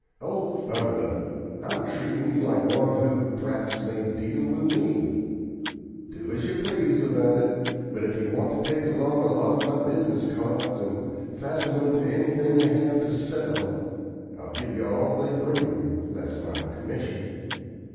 "Oh thunder! I'm treating you like one who, p'raps, may deal with me. Do as you please about it, but if you want to take along a lot of my business cards and fasten 'em to anything you have to sell, I'll give you all they bring, less my commission."